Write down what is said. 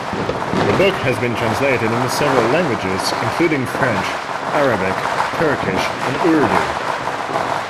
The book has been translated into several languages including French, Arabic, Turkish and Urdu.